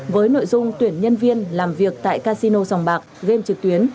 với nội dung tuyển nhân viên làm việc tại casino dòng bạc game trực tuyến